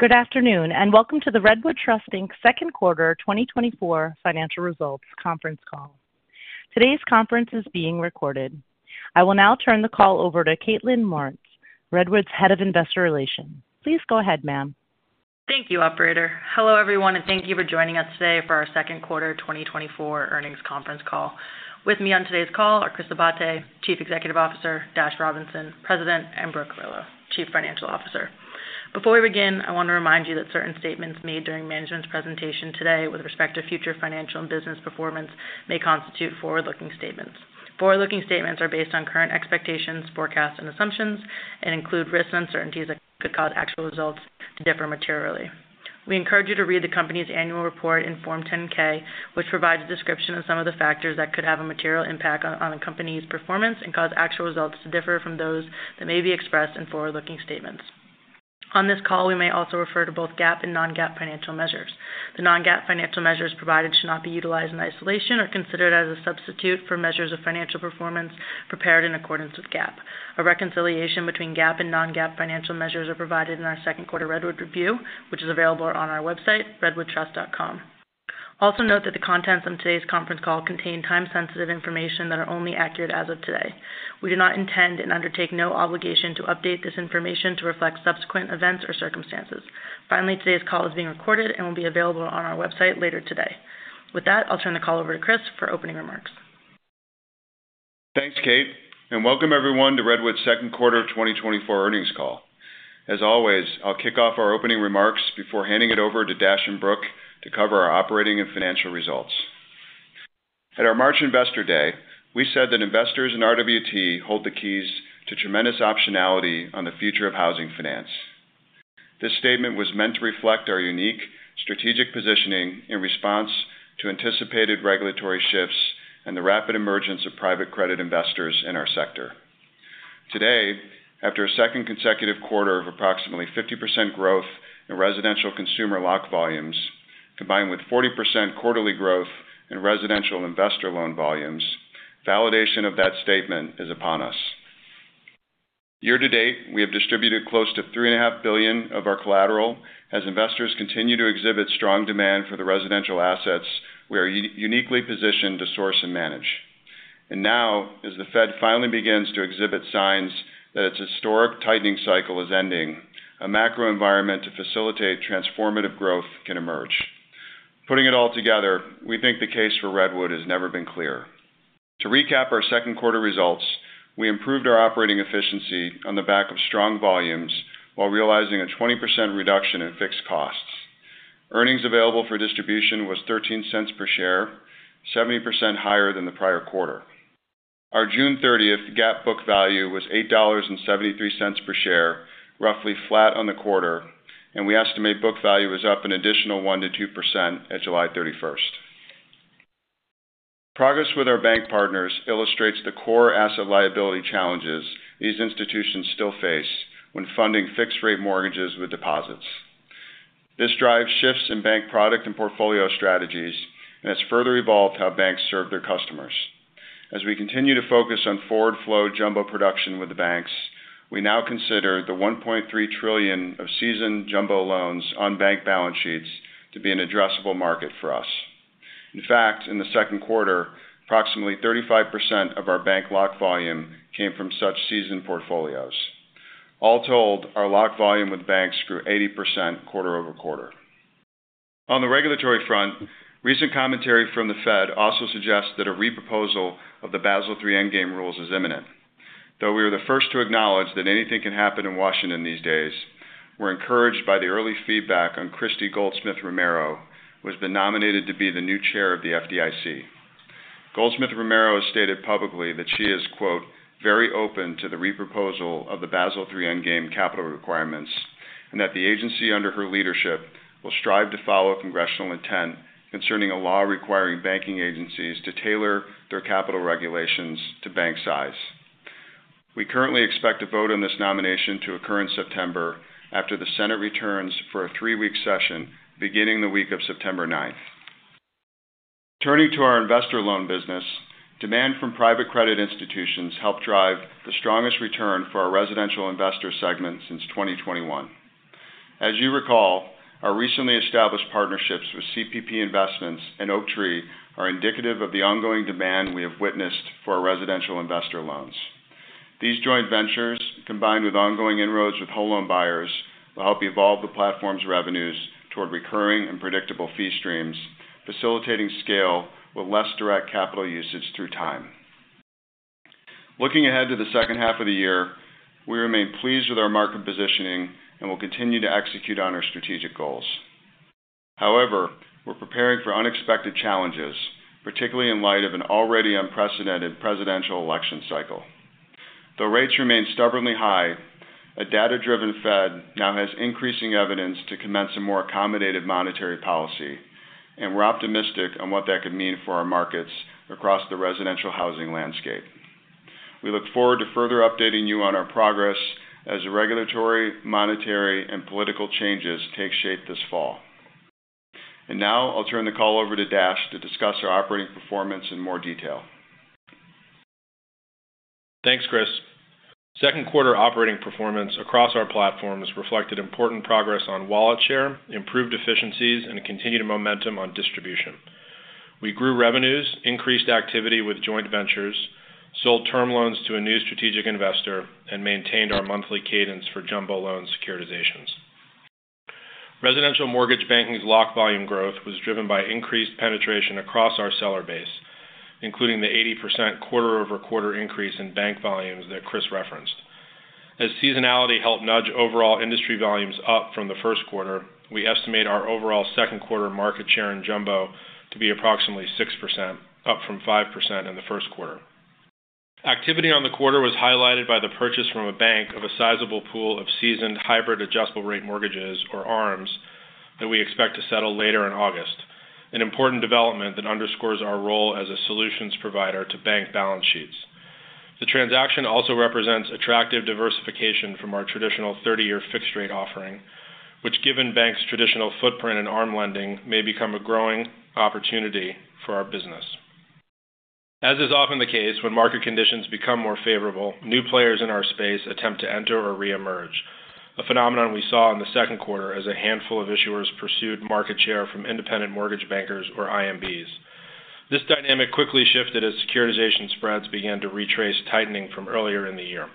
Good afternoon, and welcome to the Redwood Trust Inc. Second Quarter 2024 Financial Results Conference Call. Today's conference is being recorded. I will now turn the call over to Kaitlynne Martz, Redwood's Head of Investor Relations. Please go ahead, ma'am. Thank you, Operator. Hello, everyone, and thank you for joining us today for our Second Quarter 2024 Earnings Conference Call. With me on today's call are Chris Abate, Chief Executive Officer, Dash Robinson, President, and Brooke Carillo, Chief Financial Officer. Before we begin, I want to remind you that certain statements made during management's presentation today with respect to future financial and business performance may constitute forward-looking statements. Forward-looking statements are based on current expectations, forecasts, and assumptions, and include risks and uncertainties that could cause actual results to differ materially. We encourage you to read the company's annual report, Form 10-K, which provides a description of some of the factors that could have a material impact on a company's performance and cause actual results to differ from those that may be expressed in forward-looking statements. On this call, we may also refer to both GAAP and non-GAAP financial measures. The non-GAAP financial measures provided should not be utilized in isolation or considered as a substitute for measures of financial performance prepared in accordance with GAAP. A reconciliation between GAAP and non-GAAP financial measures is provided in our Second Quarter Redwood Review, which is available on our website, redwoodtrust.com. Also note that the contents of today's conference call contain time-sensitive information that is only accurate as of today. We do not intend and undertake no obligation to update this information to reflect subsequent events or circumstances. Finally, today's call is being recorded and will be available on our website later today. With that, I'll turn the call over to Chris for opening remarks. Thanks, Kate, and welcome everyone to Redwood's Second Quarter 2024 Earnings Call. As always, I'll kick off our opening remarks before handing it over to Dash and Brooke to cover our operating and financial results. At our March Investor Day, we said that investors in RWT hold the keys to tremendous optionality on the future of housing finance. This statement was meant to reflect our unique strategic positioning in response to anticipated regulatory shifts and the rapid emergence of private credit investors in our sector. Today, after a second consecutive quarter of approximately 50% growth in residential consumer lock volumes, combined with 40% quarterly growth in residential investor loan volumes, validation of that statement is upon us. Year to date, we have distributed close to $3.5 billion of our collateral. As investors continue to exhibit strong demand for the residential assets, we are uniquely positioned to source and manage. And now, as the Fed finally begins to exhibit signs that its historic tightening cycle is ending, a macro environment to facilitate transformative growth can emerge. Putting it all together, we think the case for Redwood has never been clear. To recap our second quarter results, we improved our operating efficiency on the back of strong volumes while realizing a 20% reduction in fixed costs. Earnings available for distribution was $0.13 per share, 70% higher than the prior quarter. Our June 30th GAAP book value was $8.73 per share, roughly flat on the quarter, and we estimate book value is up an additional 1%-2% at July 31st. Progress with our bank partners illustrates the core asset liability challenges these institutions still face when funding fixed-rate mortgages with deposits. This drives shifts in bank product and portfolio strategies and has further evolved how banks serve their customers. As we continue to focus on forward-flow jumbo production with the banks, we now consider the $1.3 trillion of seasoned jumbo loans on bank balance sheets to be an addressable market for us. In fact, in the second quarter, approximately 35% of our bank lock volume came from such seasoned portfolios. All told, our lock volume with banks grew 80% quarter-over-quarter. On the regulatory front, recent commentary from the Fed also suggests that a re-proposal of the Basel III Endgame Rules is imminent. Though we are the first to acknowledge that anything can happen in Washington these days, we're encouraged by the early feedback on Christy Goldsmith Romero, who has been nominated to be the new chair of the FDIC. Goldsmith Romero has stated publicly that she is "very open to the re-proposal of the Basel III Endgame capital requirements" and that the agency under her leadership will strive to follow congressional intent concerning a law requiring banking agencies to tailor their capital regulations to bank size. We currently expect a vote on this nomination to occur in September after the Senate returns for a three-week session beginning the week of September 9th. Turning to our investor loan business, demand from private credit institutions helped drive the strongest return for our residential investor segment since 2021. As you recall, our recently established partnerships with CPP Investments and Oaktree are indicative of the ongoing demand we have witnessed for our residential investor loans. These joint ventures, combined with ongoing inroads with home loan buyers, will help evolve the platform's revenues toward recurring and predictable fee streams, facilitating scale with less direct capital usage through time. Looking ahead to the second half of the year, we remain pleased with our market positioning and will continue to execute on our strategic goals. However, we're preparing for unexpected challenges, particularly in light of an already unprecedented presidential election cycle. Though rates remain stubbornly high, a data-driven Fed now has increasing evidence to commence a more accommodative monetary policy, and we're optimistic on what that could mean for our markets across the residential housing landscape. We look forward to further updating you on our progress as the regulatory, monetary, and political changes take shape this fall. And now, I'll turn the call over to Dash to discuss our operating performance in more detail. Thanks, Chris. Second quarter operating performance across our platforms reflected important progress on wallet share, improved efficiencies, and continued momentum on distribution. We grew revenues, increased activity with joint ventures, sold term loans to a new strategic investor, and maintained our monthly cadence for jumbo loan securitizations. Residential mortgage banking's lock volume growth was driven by increased penetration across our seller base, including the 80% quarter-over-quarter increase in bank volumes that Chris referenced. As seasonality helped nudge overall industry volumes up from the first quarter, we estimate our overall second quarter market share in jumbo to be approximately 6%, up from 5% in the first quarter. Activity on the quarter was highlighted by the purchase from a bank of a sizable pool of seasoned hybrid adjustable rate mortgages, or ARMs, that we expect to settle later in August, an important development that underscores our role as a solutions provider to bank balance sheets. The transaction also represents attractive diversification from our traditional 30-year fixed-rate offering, which, given banks' traditional footprint in ARM lending, may become a growing opportunity for our business. As is often the case when market conditions become more favorable, new players in our space attempt to enter or re-emerge, a phenomenon we saw in the second quarter as a handful of issuers pursued market share from independent mortgage bankers, or IMBs. This dynamic quickly shifted as securitization spreads began to retrace tightening from earlier in the year.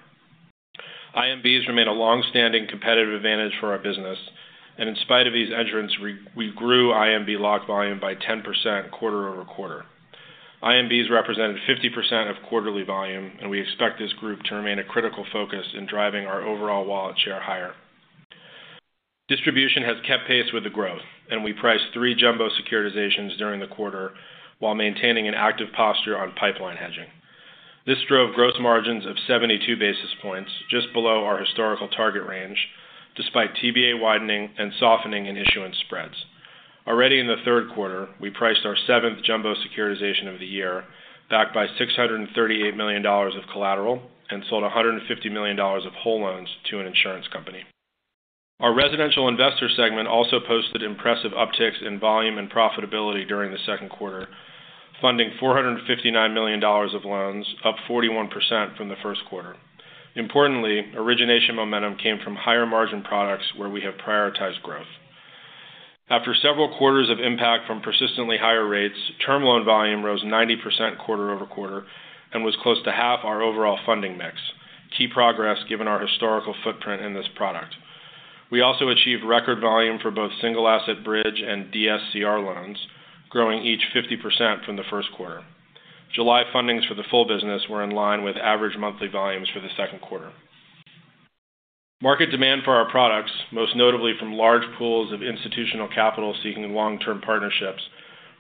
IMBs remain a long-standing competitive advantage for our business, and in spite of these entrants, we grew IMB lock volume by 10% quarter-over-quarter. IMBs represented 50% of quarterly volume, and we expect this group to remain a critical focus in driving our overall wallet share higher. Distribution has kept pace with the growth, and we priced 3 jumbo securitizations during the quarter while maintaining an active posture on pipeline hedging. This drove gross margins of 72 basis points, just below our historical target range, despite TBA widening and softening in issuance spreads. Already in the third quarter, we priced our 7th jumbo securitization of the year backed by $638 million of collateral and sold $150 million of whole loans to an insurance company. Our residential investor segment also posted impressive upticks in volume and profitability during the second quarter, funding $459 million of loans, up 41% from the first quarter. Importantly, origination momentum came from higher margin products where we have prioritized growth. After several quarters of impact from persistently higher rates, term loan volume rose 90% quarter-over-quarter and was close to half our overall funding mix, key progress given our historical footprint in this product. We also achieved record volume for both single-asset bridge and DSCR loans, growing each 50% from the first quarter. July fundings for the full business were in line with average monthly volumes for the second quarter. Market demand for our products, most notably from large pools of institutional capital seeking long-term partnerships,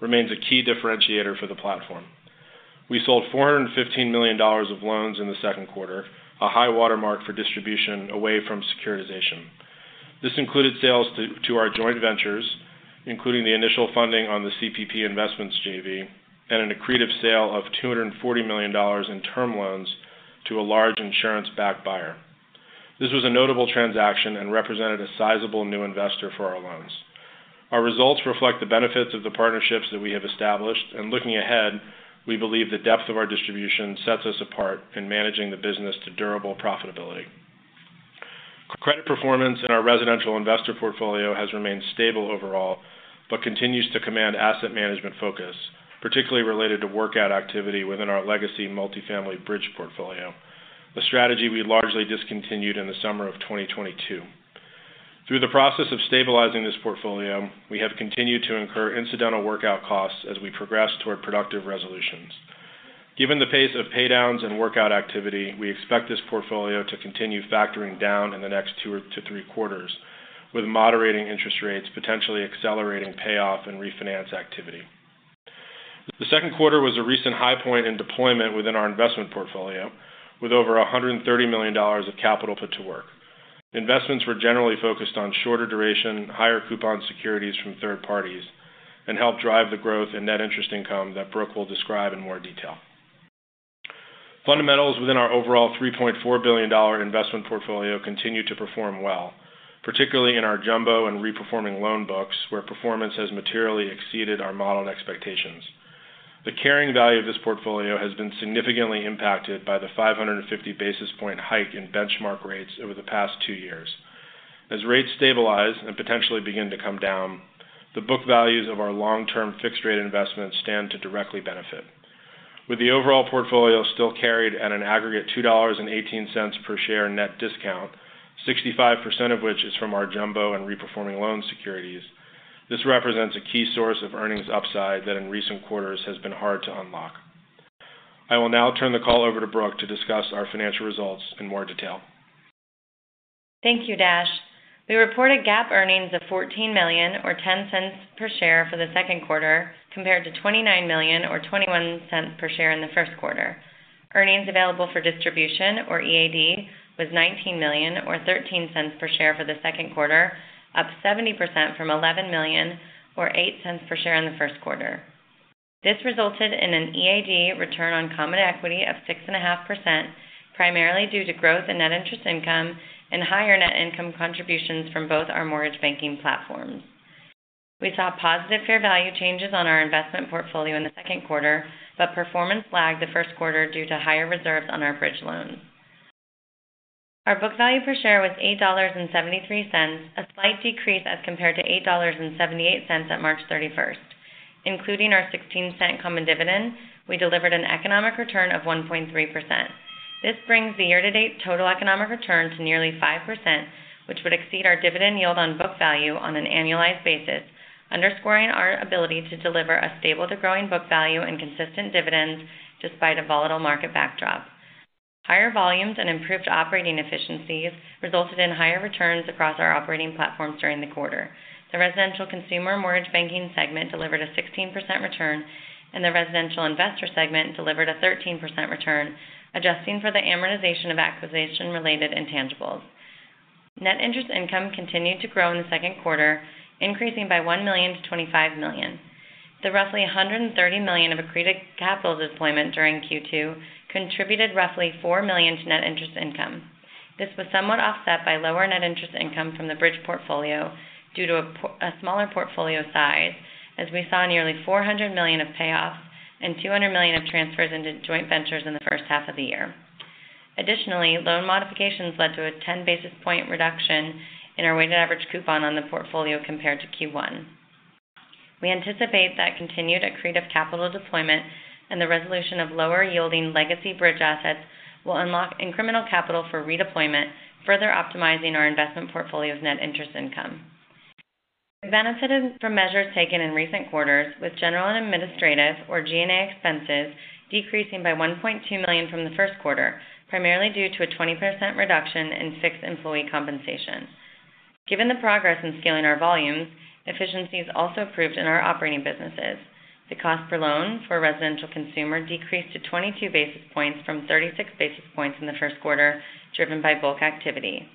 remains a key differentiator for the platform. We sold $415 million of loans in the second quarter, a high watermark for distribution away from securitization. This included sales to our joint ventures, including the initial funding on the CPP Investments JV, and an accretive sale of $240 million in term loans to a large insurance-backed buyer. This was a notable transaction and represented a sizable new investor for our loans. Our results reflect the benefits of the partnerships that we have established, and looking ahead, we believe the depth of our distribution sets us apart in managing the business to durable profitability. Credit performance in our residential investor portfolio has remained stable overall but continues to command asset management focus, particularly related to workout activity within our legacy multifamily bridge portfolio, a strategy we largely discontinued in the summer of 2022. Through the process of stabilizing this portfolio, we have continued to incur incidental workout costs as we progress toward productive resolutions. Given the pace of paydowns and workout activity, we expect this portfolio to continue factoring down in the next two to three quarters, with moderating interest rates potentially accelerating payoff and refinance activity. The second quarter was a recent high point in deployment within our investment portfolio, with over $130 million of capital put to work. Investments were generally focused on shorter duration, higher coupon securities from third parties, and helped drive the growth in net interest income that Brooke will describe in more detail. Fundamentals within our overall $3.4 billion investment portfolio continue to perform well, particularly in our jumbo and re-performing loan books, where performance has materially exceeded our modeled expectations. The carrying value of this portfolio has been significantly impacted by the 550 basis points hike in benchmark rates over the past two years. As rates stabilize and potentially begin to come down, the book values of our long-term fixed-rate investments stand to directly benefit. With the overall portfolio still carried at an aggregate $2.18 per share net discount, 65% of which is from our jumbo and re-performing loan securities, this represents a key source of earnings upside that in recent quarters has been hard to unlock. I will now turn the call over to Brooke to discuss our financial results in more detail. Thank you, Dash. We reported GAAP earnings of $14 million, or $0.10 per share for the second quarter, compared to $29 million, or $0.21 per share in the first quarter. Earnings available for distribution, or EAD, was $19 million, or $0.13 per share for the second quarter, up 70% from $11 million, or $0.08 per share in the first quarter. This resulted in an EAD return on common equity of 6.5%, primarily due to growth in net interest income and higher net income contributions from both our mortgage banking platforms. We saw positive fair value changes on our investment portfolio in the second quarter, but performance lagged the first quarter due to higher reserves on our bridge loans. Our book value per share was $8.73, a slight decrease as compared to $8.78 at March 31st. Including our $0.16 common dividend, we delivered an economic return of 1.3%. This brings the year-to-date total economic return to nearly 5%, which would exceed our dividend yield on book value on an annualized basis, underscoring our ability to deliver a stable to growing book value and consistent dividends despite a volatile market backdrop. Higher volumes and improved operating efficiencies resulted in higher returns across our operating platforms during the quarter. The residential consumer mortgage banking segment delivered a 16% return, and the residential investor segment delivered a 13% return, adjusting for the amortization of acquisition-related intangibles. Net interest income continued to grow in the second quarter, increasing by $1 million to $25 million. The roughly $130 million of accretive capital deployment during Q2 contributed roughly $4 million to net interest income. This was somewhat offset by lower net interest income from the bridge portfolio due to a smaller portfolio size, as we saw nearly $400 million of payoffs and $200 million of transfers into joint ventures in the first half of the year. Additionally, loan modifications led to a 10 basis point reduction in our weighted average coupon on the portfolio compared to Q1. We anticipate that continued accretive capital deployment and the resolution of lower-yielding legacy bridge assets will unlock incremental capital for re-deployment, further optimizing our investment portfolio's net interest income. We've benefited from measures taken in recent quarters, with general and administrative, or G&A, expenses decreasing by $1.2 million from the first quarter, primarily due to a 20% reduction in fixed employee compensation. Given the progress in scaling our volumes, efficiencies also improved in our operating businesses. The cost per loan for a residential consumer decreased to 22 basis points from 36 basis points in the first quarter, driven by bulk activity.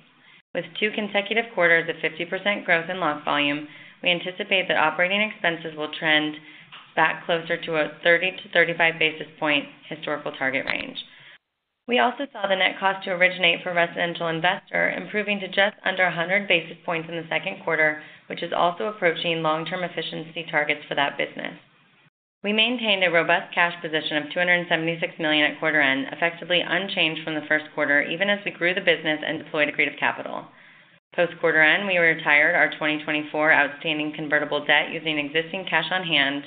With two consecutive quarters of 50% growth in lock volume, we anticipate that operating expenses will trend back closer to a 30-35 basis point historical target range. We also saw the net cost to originate for residential investor improving to just under 100 basis points in the second quarter, which is also approaching long-term efficiency targets for that business. We maintained a robust cash position of $276 million at quarter end, effectively unchanged from the first quarter, even as we grew the business and deployed accretive capital. Post quarter end, we retired our 2024 outstanding convertible debt using existing cash on hand,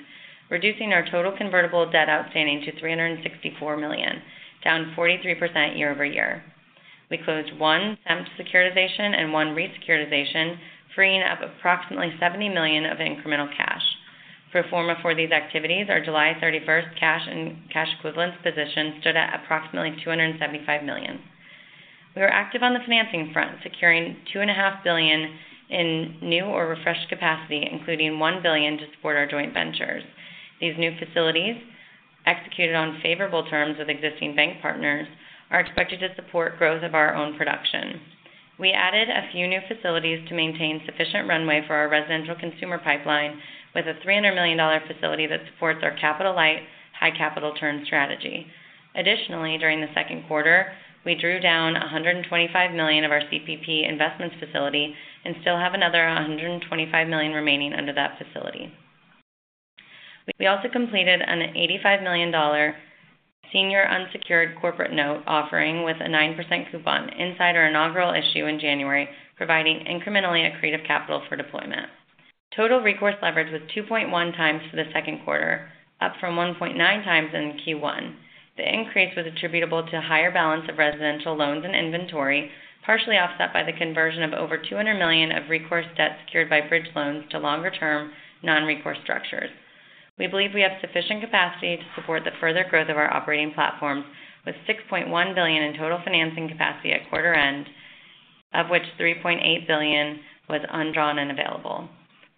reducing our total convertible debt outstanding to $364 million, down 43% year-over-year. We closed one term securitization and one resecuritization, freeing up approximately $70 million of incremental cash. Following these activities, our July 31st cash and cash equivalents position stood at approximately $275 million. We were active on the financing front, securing $2.5 billion in new or refreshed capacity, including $1 billion to support our joint ventures. These new facilities, executed on favorable terms with existing bank partners, are expected to support growth of our own production. We added a few new facilities to maintain sufficient runway for our residential consumer pipeline, with a $300 million facility that supports our capital-light, high-capital-turn strategy. Additionally, during the second quarter, we drew down $125 million of our CPP Investments facility and still have another $125 million remaining under that facility. We also completed an $85 million senior unsecured corporate note offering with a 9% coupon inside our inaugural issue in January, providing incrementally accretive capital for deployment. Total recourse leverage was 2.1x for the second quarter, up from 1.9x in Q1. The increase was attributable to a higher balance of residential loans and inventory, partially offset by the conversion of over $200 million of recourse debt secured by bridge loans to longer-term non-recourse structures. We believe we have sufficient capacity to support the further growth of our operating platforms, with $6.1 billion in total financing capacity at quarter end, of which $3.8 billion was undrawn and available.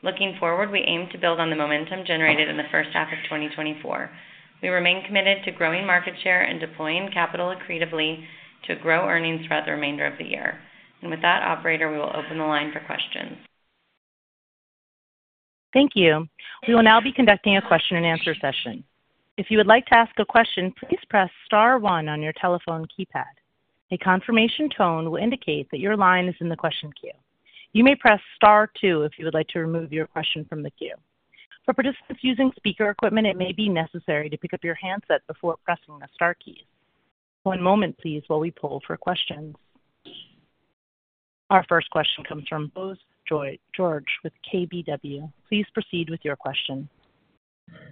Looking forward, we aim to build on the momentum generated in the first half of 2024. We remain committed to growing market share and deploying capital accretively to grow earnings throughout the remainder of the year. With that, Operator, we will open the line for questions. Thank you. We will now be conducting a question-and-answer session. If you would like to ask a question, please press * 1 on your telephone keypad. A confirmation tone will indicate that your line is in the question queue. You may press * 2 if you would like to remove your question from the queue. For participants using speaker equipment, it may be necessary to pick up your handset before pressing the * keys. One moment, please, while we pull for questions. Our first question comes from Bose George with KBW. Please proceed with your question.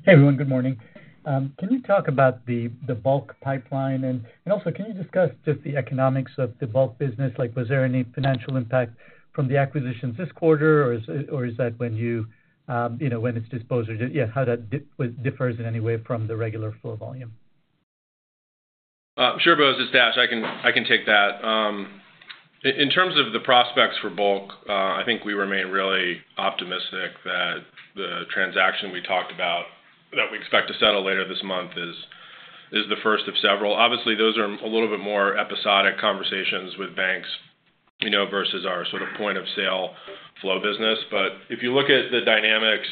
Hey, everyone. Good morning. Can you talk about the bulk pipeline? And also, can you discuss just the economics of the bulk business? Was there any financial impact from the acquisitions this quarter, or is that when it's disposed? Yeah, how that differs in any way from the regular flow volume? Sure, both. It's Dash. I can take that. In terms of the prospects for bulk, I think we remain really optimistic that the transaction we talked about that we expect to settle later this month is the first of several. Obviously, those are a little bit more episodic conversations with banks versus our sort of point-of-sale flow business. But if you look at the dynamics,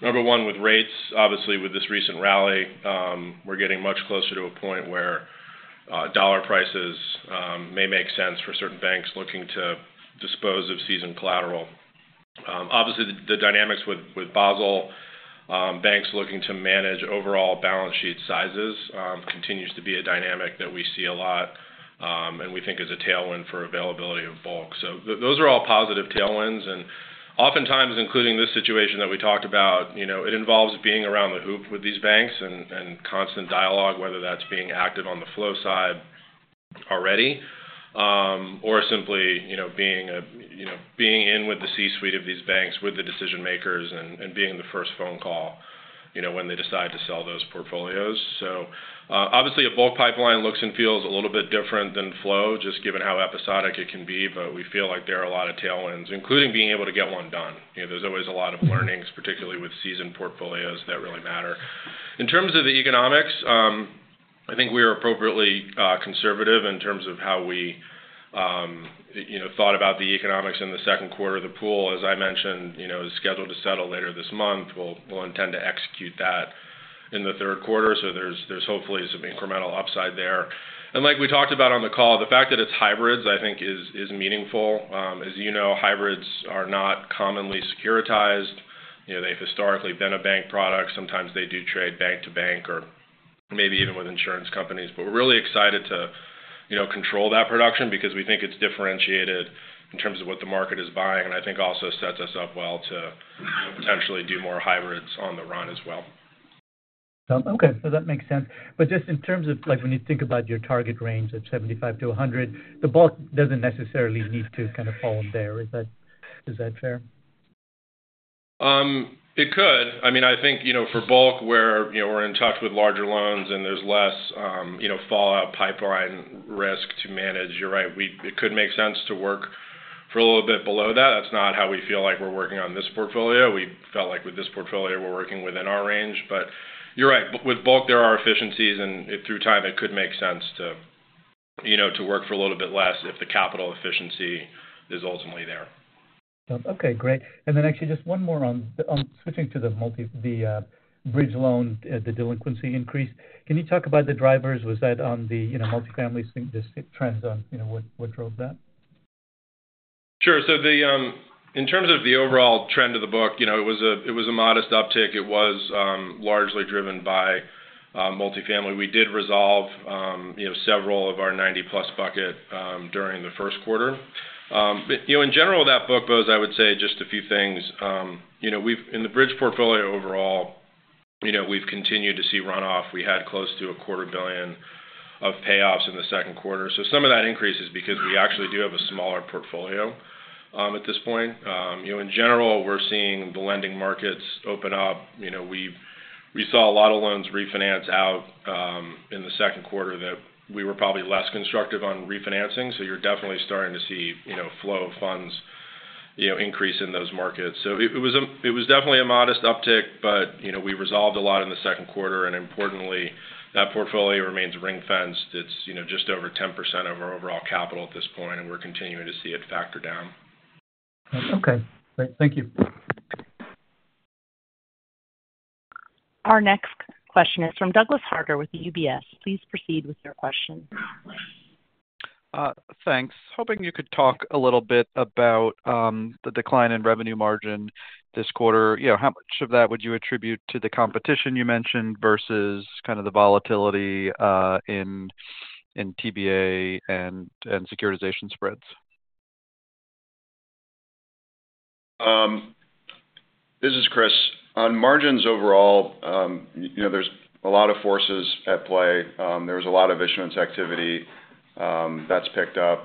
number one, with rates, obviously, with this recent rally, we're getting much closer to a point where dollar prices may make sense for certain banks looking to dispose of seasoned collateral. Obviously, the dynamics with Basel, banks looking to manage overall balance sheet sizes, continues to be a dynamic that we see a lot, and we think is a tailwind for availability of bulk. So those are all positive tailwinds. Oftentimes, including this situation that we talked about, it involves being around the hoop with these banks and constant dialogue, whether that's being active on the flow side already or simply being in with the C-suite of these banks with the decision-makers and being the first phone call when they decide to sell those portfolios. So obviously, a bulk pipeline looks and feels a little bit different than flow, just given how episodic it can be, but we feel like there are a lot of tailwinds, including being able to get one done. There's always a lot of learnings, particularly with seasoned portfolios, that really matter. In terms of the economics, I think we are appropriately conservative in terms of how we thought about the economics in the second quarter. The pool, as I mentioned, is scheduled to settle later this month. We'll intend to execute that in the third quarter, so there's hopefully some incremental upside there. And like we talked about on the call, the fact that it's hybrids, I think, is meaningful. As you know, hybrids are not commonly securitized. They've historically been a bank product. Sometimes they do trade bank to bank or maybe even with insurance companies. But we're really excited to control that production because we think it's differentiated in terms of what the market is buying, and I think also sets us up well to potentially do more hybrids on the run as well. Okay. So that makes sense. But just in terms of when you think about your target range of 75-100, the bulk doesn't necessarily need to kind of fall in there. Is that fair? It could. I mean, I think for bulk, where we're in touch with larger loans and there's less fallout pipeline risk to manage, you're right, it could make sense to work for a little bit below that. That's not how we feel like we're working on this portfolio. We felt like with this portfolio, we're working within our range. But you're right. With bulk, there are efficiencies, and through time, it could make sense to work for a little bit less if the capital efficiency is ultimately there. Okay. Great. And then actually, just one more on switching to the bridge loan, the delinquency increase. Can you talk about the drivers? Was that on the multifamily trends on what drove that? Sure. So in terms of the overall trend of the book, it was a modest uptick. It was largely driven by multifamily. We did resolve several of our 90-plus bucket during the first quarter. In general, that book goes, I would say, just a few things. In the bridge portfolio overall, we've continued to see runoff. We had close to $250 million of payoffs in the second quarter. So some of that increase is because we actually do have a smaller portfolio at this point. In general, we're seeing the lending markets open up. We saw a lot of loans refinance out in the second quarter that we were probably less constructive on refinancing. So you're definitely starting to see flow of funds increase in those markets. So it was definitely a modest uptick, but we resolved a lot in the second quarter. And importantly, that portfolio remains ring-fenced. It's just over 10% of our overall capital at this point, and we're continuing to see it factor down. Okay. Great. Thank you. Our next question is from Douglas Harter with UBS. Please proceed with your question. Thanks. Hoping you could talk a little bit about the decline in revenue margin this quarter? How much of that would you attribute to the competition you mentioned versus kind of the volatility in TBA and securitization spreads? This is Chris. On margins overall, there's a lot of forces at play. There's a lot of issuance activity that's picked up.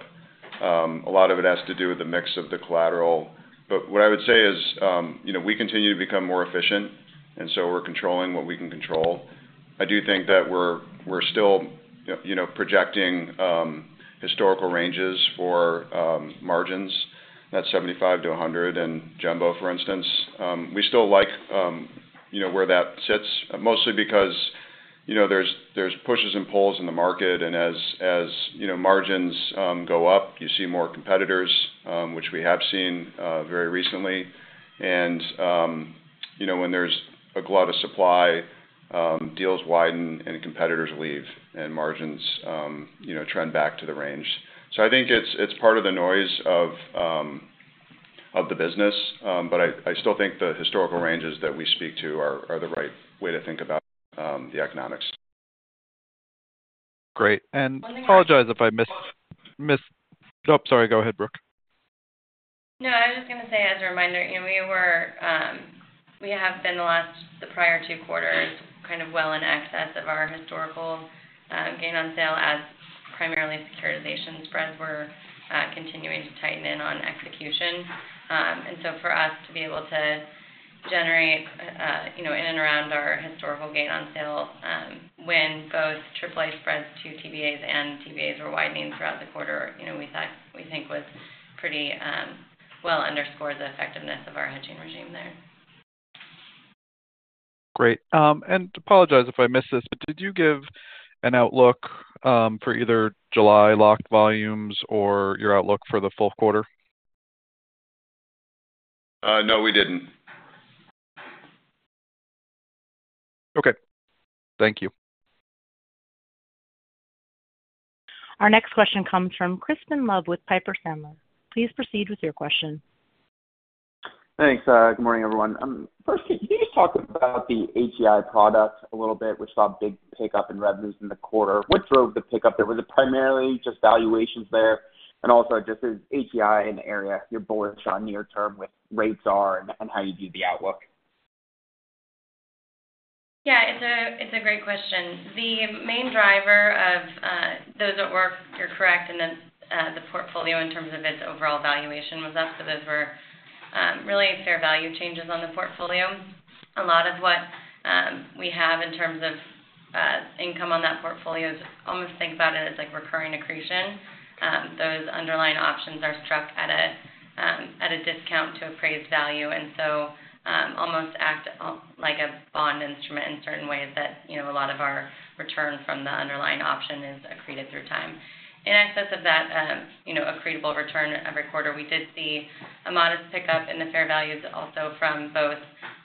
A lot of it has to do with the mix of the collateral. But what I would say is we continue to become more efficient, and so we're controlling what we can control. I do think that we're still projecting historical ranges for margins, that 75-100 and jumbo, for instance. We still like where that sits, mostly because there's pushes and pulls in the market. And as margins go up, you see more competitors, which we have seen very recently. And when there's a glut of supply, deals widen and competitors leave, and margins trend back to the range. I think it's part of the noise of the business, but I still think the historical ranges that we speak to are the right way to think about the economics. Great. And apologize if I missed. Oh, sorry. Go ahead, Brooke. No, I was just going to say, as a reminder, we have been, in the last, the prior two quarters, kind of well in excess of our historical gain on sale as primarily securitization spreads were continuing to tighten in on execution. And so for us to be able to generate in and around our historical gain on sale when both AAA spreads to TBAs and TBAs were widening throughout the quarter, we think was pretty well underscored the effectiveness of our hedging regime there. Great. And apologize if I missed this, but did you give an outlook for either July locked volumes or your outlook for the full quarter? No, we didn't. Okay. Thank you. Our next question comes from Crispin Love with Piper Sandler. Please proceed with your question. Thanks. Good morning, everyone. First, can you just talk about the Aspire product a little bit, which saw a big pickup in revenues in the quarter? What drove the pickup? Was it primarily just valuations there? And also, just as Aspire in the area, you're bullish on near-term with rates are and how you view the outlook? Yeah. It's a great question. The main driver of those marks, you're correct, and then the portfolio in terms of its overall valuation was up. So those were really fair value changes on the portfolio. A lot of what we have in terms of income on that portfolio is almost think about it as recurring accretion. Those underlying options are struck at a discount to appraised value, and so almost act like a bond instrument in certain ways that a lot of our return from the underlying option is accreted through time. In excess of that accretable return every quarter, we did see a modest pickup in the fair values also from both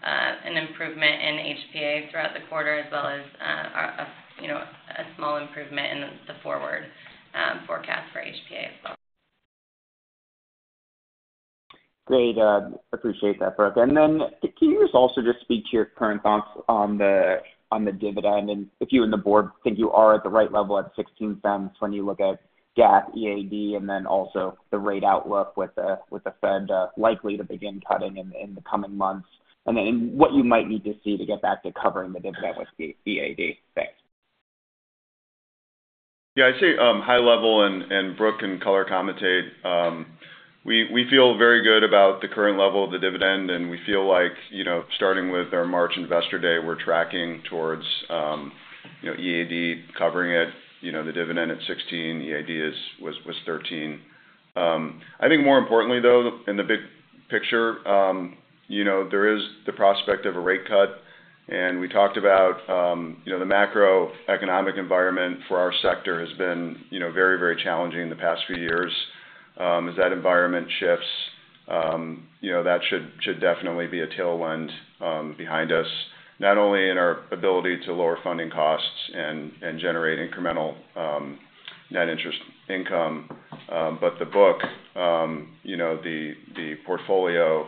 an improvement in HPA throughout the quarter as well as a small improvement in the forward forecast for HPA as well. Great. Appreciate that, Brooke. And then can you just also just speak to your current thoughts on the dividend? And if you and the board think you are at the right level at $0.16 when you look at GAAP, EAD, and then also the rate outlook with the Fed likely to begin cutting in the coming months and what you might need to see to get back to covering the dividend with EAD? Thanks. Yeah. I'd say high level and Brooke can color commentate. We feel very good about the current level of the dividend, and we feel like starting with our March investor day, we're tracking towards EAD covering it, the dividend at 16, EAD was 13. I think more importantly, though, in the big picture, there is the prospect of a rate cut. And we talked about the macroeconomic environment for our sector has been very, very challenging in the past few years. As that environment shifts, that should definitely be a tailwind behind us, not only in our ability to lower funding costs and generate incremental net interest income, but the book, the portfolio,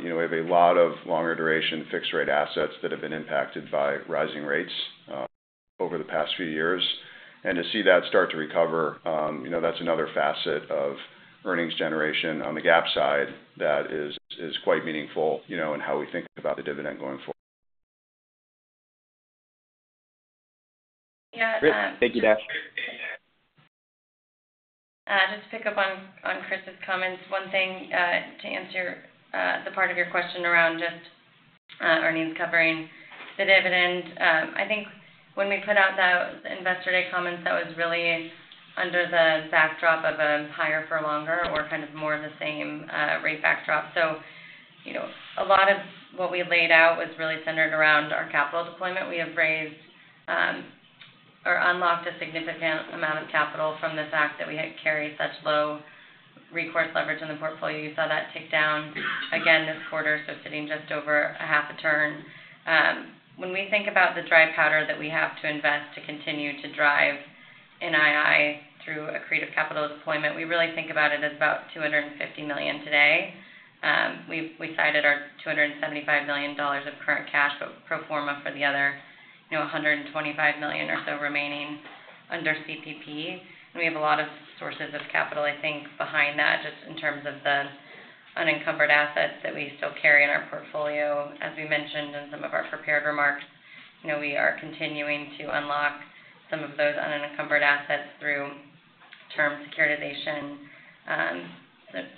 we have a lot of longer duration fixed-rate assets that have been impacted by rising rates over the past few years. And to see that start to recover, that's another facet of earnings generation on the GAAP side that is quite meaningful in how we think about the dividend going forward. Yeah. Thank you, Dash. Just to pick up on Chris's comments, one thing to answer the part of your question around just earnings covering the dividend, I think when we put out that investor day comments, that was really under the backdrop of a higher for longer or kind of more of the same rate backdrop. So a lot of what we laid out was really centered around our capital deployment. We have raised or unlocked a significant amount of capital from the fact that we had carried such low recourse leverage in the portfolio. You saw that tick down again this quarter, so sitting just over a half a turn. When we think about the dry powder that we have to invest to continue to drive NII through accretive capital deployment, we really think about it as about $250 million today. We cited our $275 million of current cash, but pro forma for the other $125 million or so remaining under CPP. We have a lot of sources of capital, I think, behind that just in terms of the unencumbered assets that we still carry in our portfolio. As we mentioned in some of our prepared remarks, we are continuing to unlock some of those unencumbered assets through term securitization,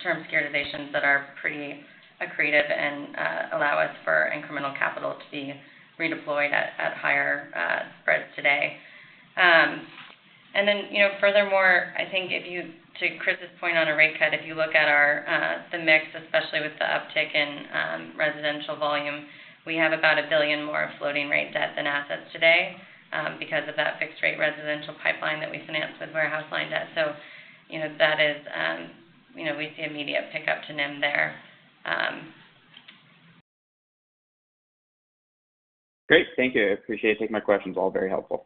term securitizations that are pretty accretive and allow us for incremental capital to be redeployed at higher spreads today. Furthermore, I think to Chris's point on a rate cut, if you look at the mix, especially with the uptick in residential volume, we have about $1 billion more of floating rate debt than assets today because of that fixed-rate residential pipeline that we finance with warehouse line debt. So that is, we see immediate pickup to NIM there. Great. Thank you. Appreciate it. Take my questions. All very helpful.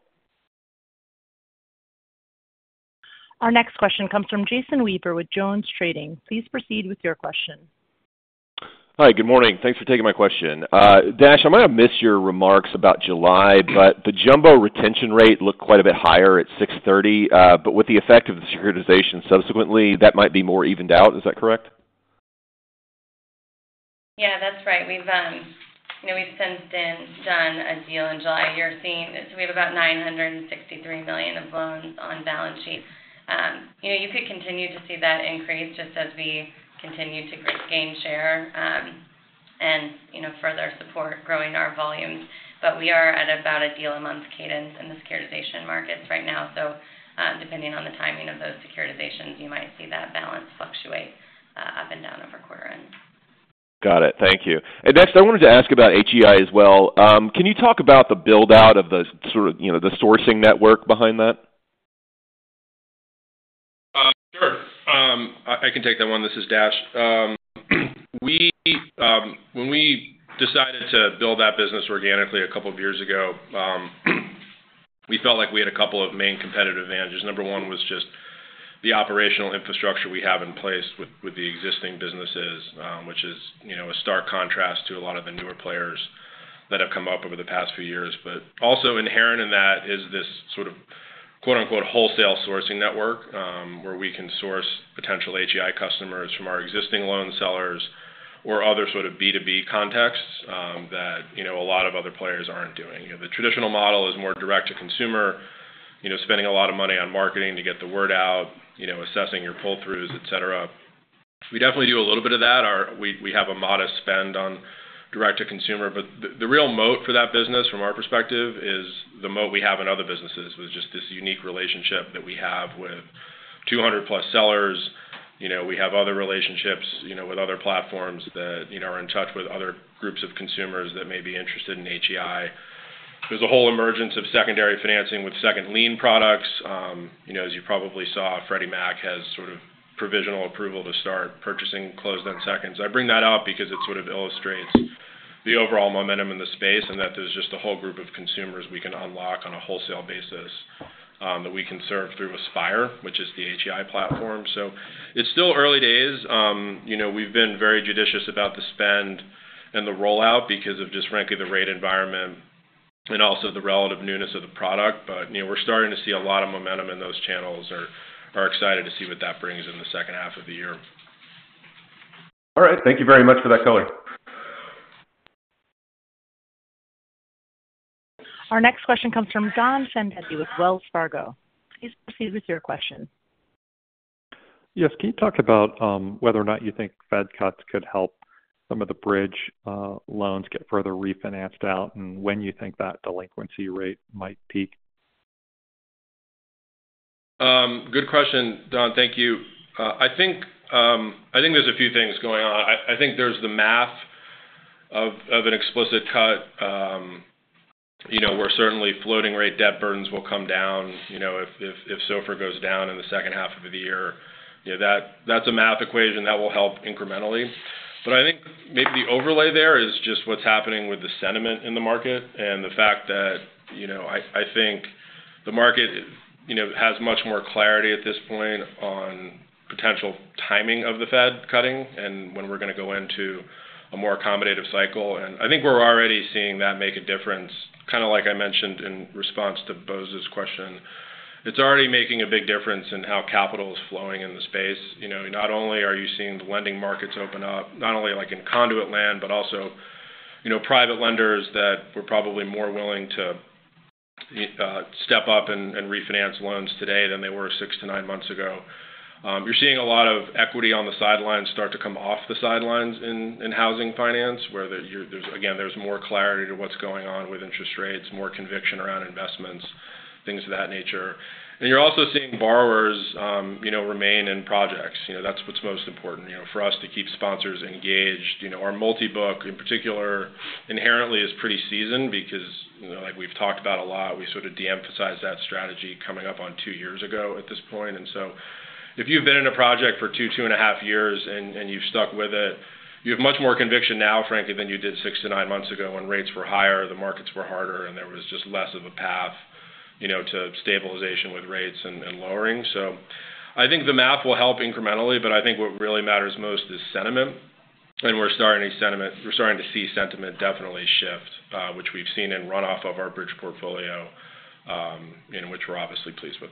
Our next question comes from Jason Weaver with JonesTrading. Please proceed with your question. Hi. Good morning. Thanks for taking my question. Dash, I might have missed your remarks about July, but the jumbo retention rate looked quite a bit higher at 630. But with the effect of the securitization subsequently, that might be more evened out. Is that correct? Yeah. That's right. We've since done a deal in July. So we have about $963 million of loans on balance sheet. You could continue to see that increase just as we continue to gain share and further support growing our volumes. But we are at about a deal-a-month cadence in the securitization markets right now. So depending on the timing of those securitizations, you might see that balance fluctuate up and down every quarter. Got it. Thank you. Next, I wanted to ask about HEI as well. Can you talk about the build-out of the sort of the sourcing network behind that? Sure. I can take that one. This is Dash. When we decided to build that business organically a couple of years ago, we felt like we had a couple of main competitive advantages. Number one was just the operational infrastructure we have in place with the existing businesses, which is a stark contrast to a lot of the newer players that have come up over the past few years. But also inherent in that is this sort of "wholesale sourcing network" where we can source potential HEI customers from our existing loan sellers or other sort of B2B contexts that a lot of other players aren't doing. The traditional model is more direct-to-consumer, spending a lot of money on marketing to get the word out, assessing your pull-throughs, etc. We definitely do a little bit of that. We have a modest spend on direct-to-consumer. But the real moat for that business, from our perspective, is the moat we have in other businesses with just this unique relationship that we have with 200+ sellers. We have other relationships with other platforms that are in touch with other groups of consumers that may be interested in HEI. There's a whole emergence of secondary financing with second lien products. As you probably saw, Freddie Mac has sort of provisional approval to start purchasing closed-end seconds. I bring that out because it sort of illustrates the overall momentum in the space and that there's just a whole group of consumers we can unlock on a wholesale basis that we can serve through Aspire, which is the HEI platform. So it's still early days. We've been very judicious about the spend and the rollout because of just frankly the rate environment and also the relative newness of the product. But we're starting to see a lot of momentum in those channels and are excited to see what that brings in the second half of the year. All right. Thank you very much for that, Kaitlyn. Our next question comes from Don Fandetti with Wells Fargo. Please proceed with your question. Yes. Can you talk about whether or not you think Fed cuts could help some of the bridge loans get further refinanced out and when you think that delinquency rate might peak? Good question, Don. Thank you. I think there's a few things going on. I think there's the math of an explicit cut. We're certainly floating rate debt burdens will come down if SOFR goes down in the second half of the year. That's a math equation that will help incrementally. But I think maybe the overlay there is just what's happening with the sentiment in the market and the fact that I think the market has much more clarity at this point on potential timing of the Fed cutting and when we're going to go into a more accommodative cycle. I think we're already seeing that make a difference, kind of like I mentioned in response to Bose's question. It's already making a big difference in how capital is flowing in the space. Not only are you seeing the lending markets open up, not only in conduit land, but also private lenders that were probably more willing to step up and refinance loans today than they were 6-9 months ago. You're seeing a lot of equity on the sidelines start to come off the sidelines in housing finance, where again, there's more clarity to what's going on with interest rates, more conviction around investments, things of that nature. And you're also seeing borrowers remain in projects. That's what's most important for us to keep sponsors engaged. Our multi-book, in particular, inherently is pretty seasoned because, like we've talked about a lot, we sort of de-emphasized that strategy coming up on 2 years ago at this point. And so if you've been in a project for 2, 2.5 years, and you've stuck with it, you have much more conviction now, frankly, than you did 6-9 months ago when rates were higher, the markets were harder, and there was just less of a path to stabilization with rates and lowering. So I think the math will help incrementally, but I think what really matters most is sentiment. And we're starting to see sentiment definitely shift, which we've seen in runoff of our bridge portfolio, which we're obviously pleased with.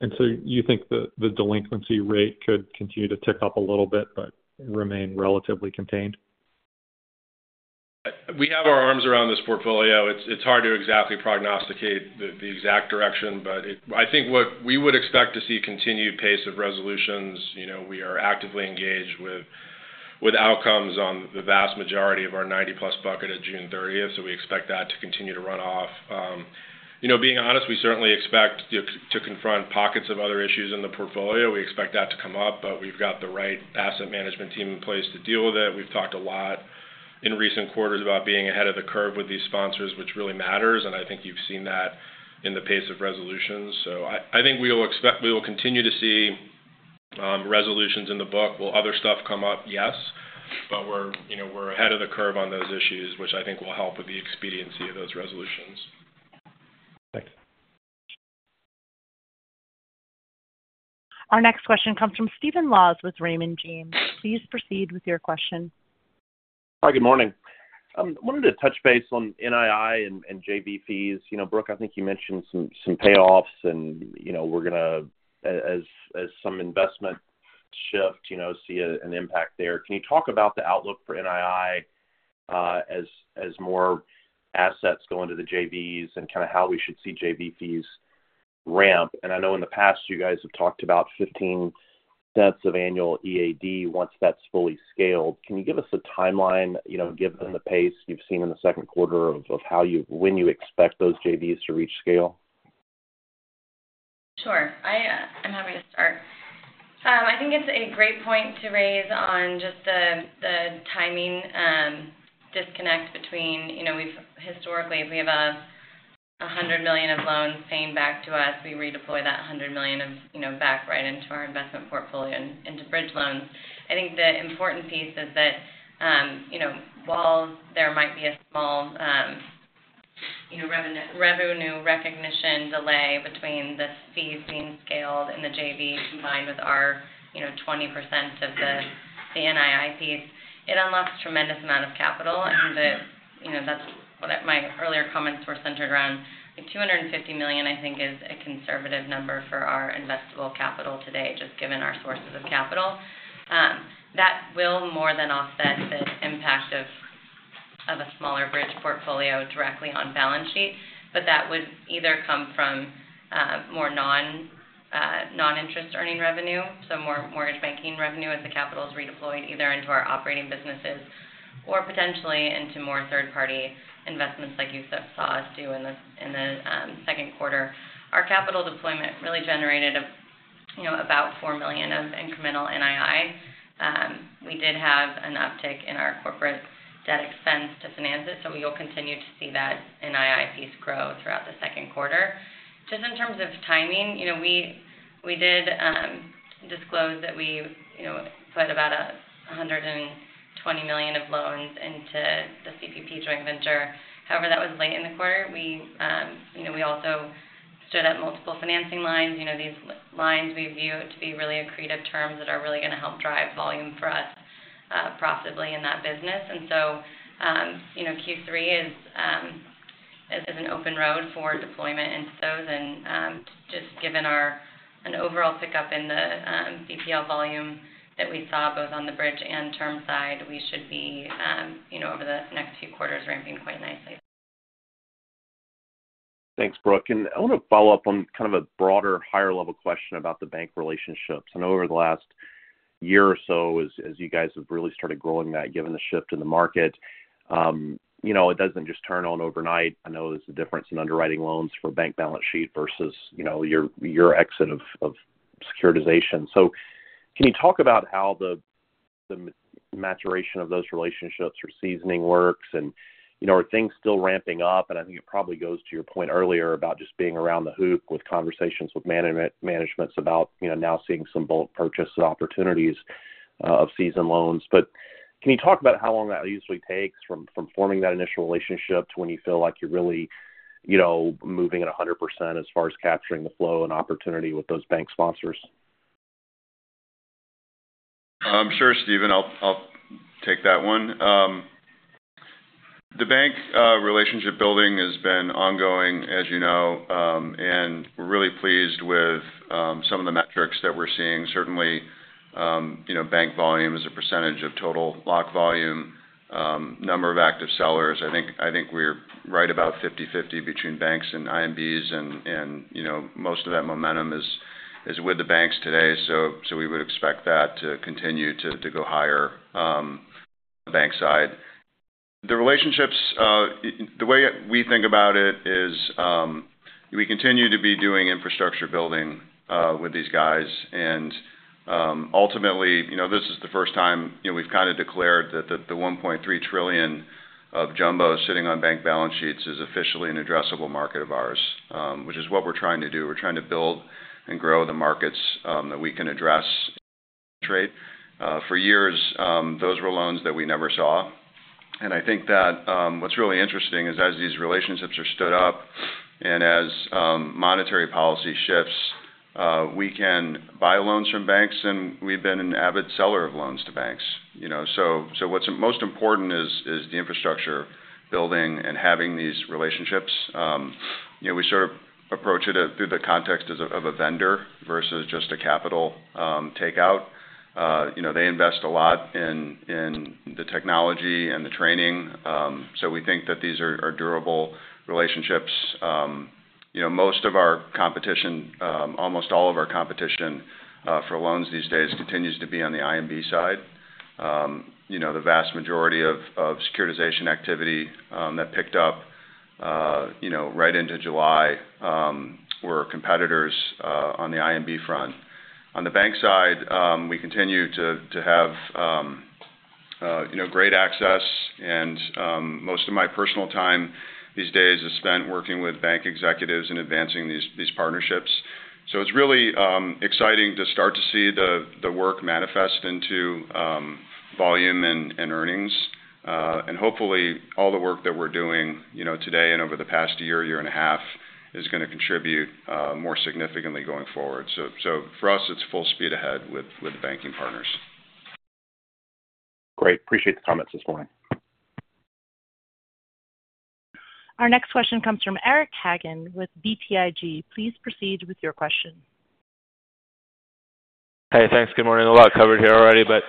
And so you think the delinquency rate could continue to tick up a little bit but remain relatively contained? We have our arms around this portfolio. It's hard to exactly prognosticate the exact direction, but I think what we would expect to see continued pace of resolutions. We are actively engaged with outcomes on the vast majority of our 90-plus bucket at June 30th, so we expect that to continue to run off. Being honest, we certainly expect to confront pockets of other issues in the portfolio. We expect that to come up, but we've got the right asset management team in place to deal with it. We've talked a lot in recent quarters about being ahead of the curve with these sponsors, which really matters, and I think you've seen that in the pace of resolutions. So I think we will continue to see resolutions in the book. Will other stuff come up? Yes. But we're ahead of the curve on those issues, which I think will help with the expediency of those resolutions. Thanks. Our next question comes from Stephen Laws with Raymond James. Please proceed with your question. Hi. Good morning. I wanted to touch base on NII and JV fees. Brooke, I think you mentioned some payoffs, and we're going to, as some investment shift, see an impact there. Can you talk about the outlook for NII as more assets go into the JVs and kind of how we should see JV fees ramp? And I know in the past, you guys have talked about $0.15 of annual EAD once that's fully scaled. Can you give us a timeline, given the pace you've seen in the second quarter of when you expect those JVs to reach scale? Sure. I'm happy to start. I think it's a great point to raise on just the timing disconnect between historically, if we have $100 million of loans paying back to us, we redeploy that $100 million back right into our investment portfolio and into bridge loans. I think the important piece is that while there might be a small revenue recognition delay between the fees being scaled and the JV combined with our 20% of the NII piece, it unlocks a tremendous amount of capital. And that's what my earlier comments were centered around. $250 million, I think, is a conservative number for our investable capital today, just given our sources of capital. That will more than offset the impact of a smaller bridge portfolio directly on balance sheet, but that would either come from more non-interest earning revenue, so more mortgage banking revenue as the capital is redeployed either into our operating businesses or potentially into more third-party investments like you saw us do in the second quarter. Our capital deployment really generated about $4 million of incremental NII. We did have an uptick in our corporate debt expense to finance it, so we will continue to see that NII piece grow throughout the second quarter. Just in terms of timing, we did disclose that we put about $120 million of loans into the CPP joint venture. However, that was late in the quarter. We also stood at multiple financing lines. These lines we view it to be really accretive terms that are really going to help drive volume for us profitably in that business. And so Q3 is an open road for deployment into those. And just given an overall pickup in the BPL volume that we saw both on the bridge and term side, we should be over the next few quarters ramping quite nicely. Thanks, Brooke. And I want to follow up on kind of a broader higher-level question about the bank relationships. I know over the last year or so, as you guys have really started growing that, given the shift in the market, it doesn't just turn on overnight. I know there's a difference in underwriting loans for bank balance sheet versus your exit of securitization. So can you talk about how the maturation of those relationships or seasoning works? And are things still ramping up? And I think it probably goes to your point earlier about just being around the hoop with conversations with managements about now seeing some bulk purchase opportunities of seasoned loans. But can you talk about how long that usually takes from forming that initial relationship to when you feel like you're really moving at 100% as far as capturing the flow and opportunity with those bank sponsors? I'm sure, Stephen. I'll take that one. The bank relationship building has been ongoing, as you know, and we're really pleased with some of the metrics that we're seeing. Certainly, bank volume is a percentage of total lock volume, number of active sellers. I think we're right about 50/50 between banks and IMBs, and most of that momentum is with the banks today. So we would expect that to continue to go higher on the bank side. The relationships, the way we think about it is we continue to be doing infrastructure building with these guys. And ultimately, this is the first time we've kind of declared that the $1.3 trillion of jumbo sitting on bank balance sheets is officially an addressable market of ours, which is what we're trying to do. We're trying to build and grow the markets that we can address. For years, those were loans that we never saw. And I think that what's really interesting is as these relationships are stood up and as monetary policy shifts, we can buy loans from banks, and we've been an avid seller of loans to banks. So what's most important is the infrastructure building and having these relationships. We sort of approach it through the context of a vendor versus just a capital takeout. They invest a lot in the technology and the training. So we think that these are durable relationships. Most of our competition, almost all of our competition for loans these days, continues to be on the IMB side. The vast majority of securitization activity that picked up right into July were competitors on the IMB front. On the bank side, we continue to have great access, and most of my personal time these days is spent working with bank executives and advancing these partnerships. So it's really exciting to start to see the work manifest into volume and earnings. And hopefully, all the work that we're doing today and over the past year, year and a half, is going to contribute more significantly going forward. So for us, it's full speed ahead with the banking partners. Great. Appreciate the comments this morning. Our next question comes from Eric Hagen with BTIG. Please proceed with your question. Hey, thanks. Good morning. A lot covered here already, but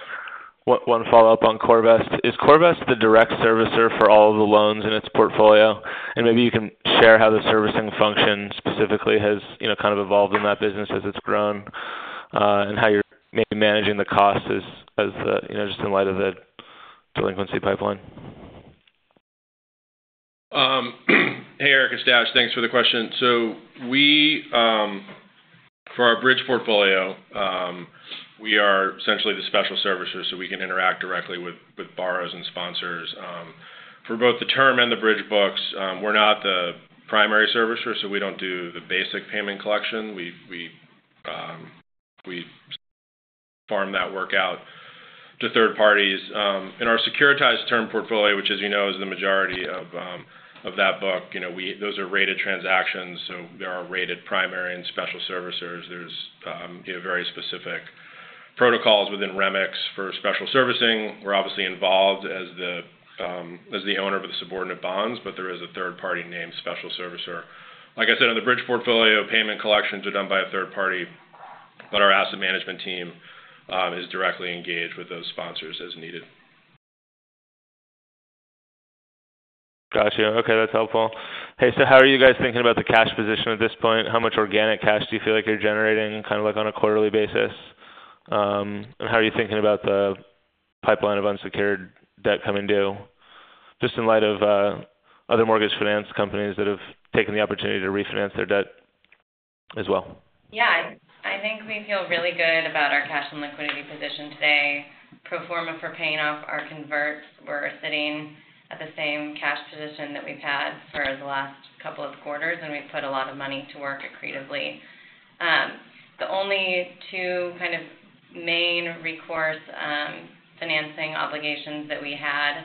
one follow-up on CoreVest. Is CoreVest the direct servicer for all of the loans in its portfolio? And maybe you can share how the servicing function specifically has kind of evolved in that business as it's grown and how you're maybe managing the costs just in light of the delinquency pipeline. Hey, Eric Hagen. Thanks for the question. So for our bridge portfolio, we are essentially the special servicer so we can interact directly with borrowers and sponsors. For both the term and the bridge books, we're not the primary servicer, so we don't do the basic payment collection. We farm thmarks out to third parties. In our securitized term portfolio, which, as you know, is the majority of that book, those are rated transactions, so there are rated primary and special servicers. There's very specific protocols within REMIC for special servicing. We're obviously involved as the owner of the subordinate bonds, but there is a third-party named special servicer. Like I said, in the bridge portfolio, payment collections are done by a third party, but our asset management team is directly engaged with those sponsors as needed. Gotcha. Okay. That's helpful. Hey, so how are you guys thinking about the cash position at this point? How much organic cash do you feel like you're generating kind of on a quarterly basis? And how are you thinking about the pipeline of unsecured debt coming due just in light of other mortgage finance companies that have taken the opportunity to refinance their debt as well? Yeah. I think we feel really good about our cash and liquidity position today. Pro forma for paying off our converts, we're sitting at the same cash position that we've had for the last couple of quarters, and we've put a lot of money to work accretively. The only two kind of main recourse financing obligations that we had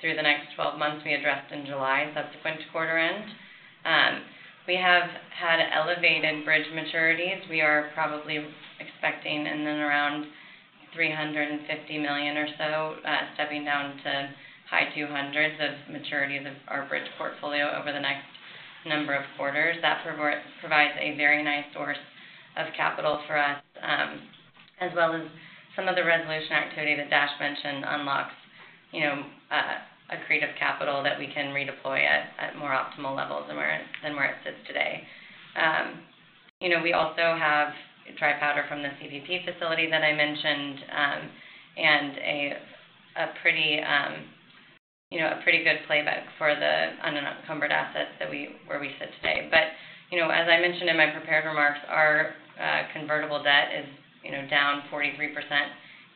through the next 12 months we addressed in July subsequent to quarter end. We have had elevated bridge maturities. We are probably expecting in and around $350 million or so, stepping down to high $200s million of maturities of our bridge portfolio over the next number of quarters. That provides a very nice source of capital for us, as well as some of the resolution activity that Dash mentioned unlocks accretive capital that we can redeploy at more optimal levels than where it sits today. We also have dry powder from the CPP facility that I mentioned and a pretty good playbook for the unencumbered assets where we sit today. But as I mentioned in my prepared remarks, our convertible debt is down 43%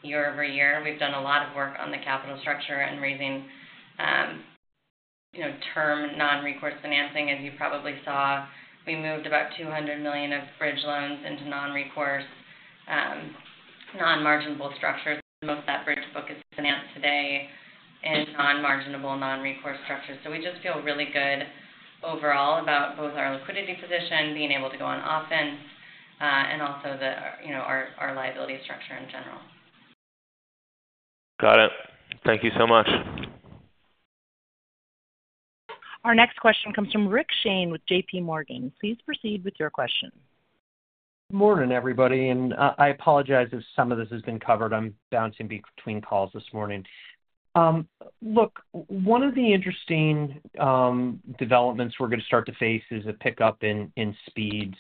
year-over-year. We've done a lot of work on the capital structure and raising term non-recourse financing, as you probably saw. We moved about $200 million of bridge loans into non-recourse, non-marginable structures. Most of that bridge book is financed today in non-marginable, non-recourse structures. So we just feel really good overall about both our liquidity position, being able to go on offense, and also our liability structure in general. Got it. Thank you so much. Our next question comes from Richard Shane with J.P. Morgan. Please proceed with your question. Morning, everybody. I apologize if some of this has been covered. I'm bouncing between calls this morning. Look, one of the interesting developments we're going to start to face is a pickup in speeds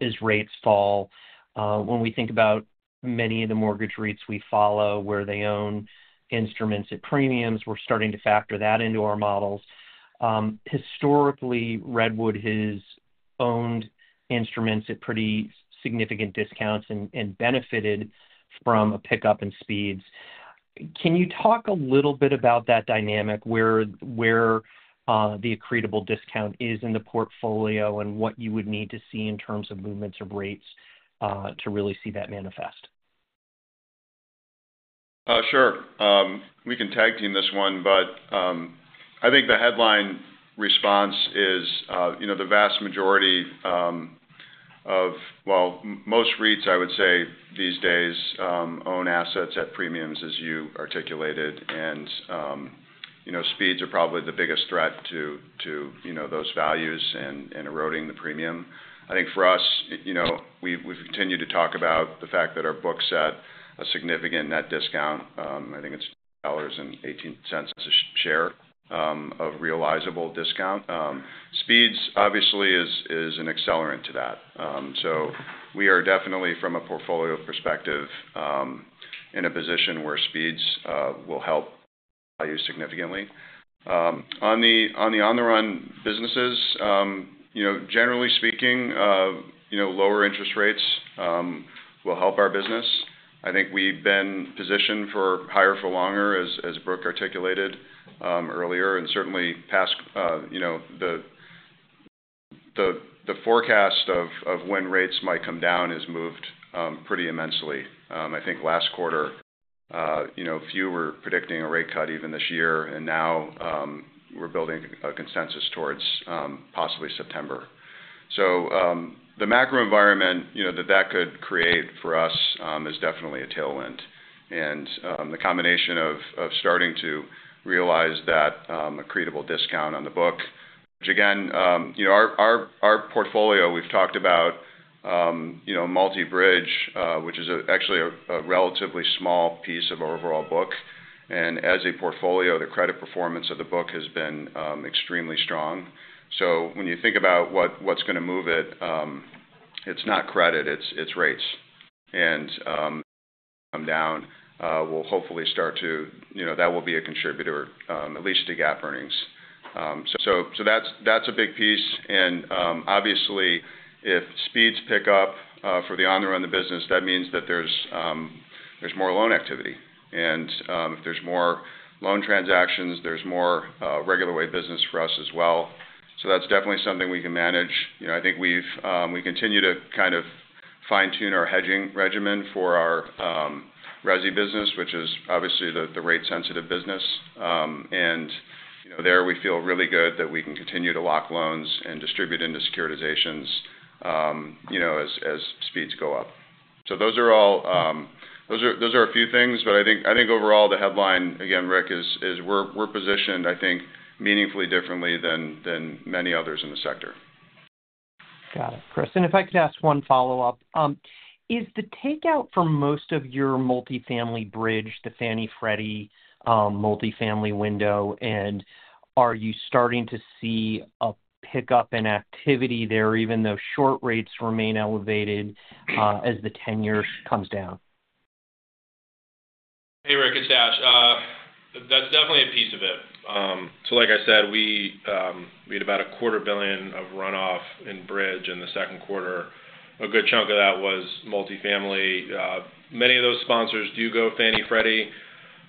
as rates fall. When we think about many of the mortgage rates we follow, where they own instruments at premiums, we're starting to factor that into our models. Historically, Redwood has owned instruments at pretty significant discounts and benefited from a pickup in speeds. Can you talk a little bit about that dynamic where the accretable discount is in the portfolio and what you would need to see in terms of movements of rates to really see that manifest? Sure. We can tag team this one, but I think the headline response is the vast majority of, well, most REITs, I would say, these days own assets at premiums, as you articulated. And speeds are probably the biggest threat to those values and eroding the premium. I think for us, we've continued to talk about the fact that our book's at a significant net discount. I think it's $2.18 a share of realizable discount. Speeds, obviously, is an accelerant to that. So we are definitely, from a portfolio perspective, in a position where speeds will help value significantly. On the on-the-run businesses, generally speaking, lower interest rates will help our business. I think we've been positioned for higher for longer, as Brooke articulated earlier. And certainly, past the forecast of when rates might come down has moved pretty immensely. I think last quarter, few were predicting a rate cut even this year, and now we're building a consensus towards possibly September. So the macro environment that that could create for us is definitely a tailwind. And the combination of starting to realize that accretable discount on the book, which again, our portfolio, we've talked about multi-bridge, which is actually a relatively small piece of our overall book. And as a portfolio, the credit performance of the book has been extremely strong. So when you think about what's going to move it, it's not credit, it's rates. And come down, we'll hopefully start to that will be a contributor, at least to GAAP earnings. So that's a big piece. And obviously, if speeds pick up for the on-the-run of the business, that means that there's more loan activity. If there's more loan transactions, there's more regular way of business for us as well. So that's definitely something we can manage. I think we continue to kind of fine-tune our hedging regimen for our Resi business, which is obviously the rate-sensitive business. There, we feel really good that we can continue to lock loans and distribute into securitizations as speeds go up. So those are a few things, but I think overall, the headline, again, Rick, is we're positioned, I think, meaningfully differently than many others in the sector. Got it. Chris, and if I could ask one follow-up, is the takeout for most of your multifamily bridge the Fannie Freddie multifamily window, and are you starting to see a pickup in activity there, even though short rates remain elevated as the 10-year comes down? Hey, Rick Shane. That's definitely a piece of it. So like I said, we had about $250 million of runoff in bridge in the second quarter. A good chunk of that was multifamily. Many of those sponsors do go Fannie Freddie.